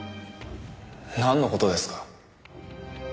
なんの事ですか？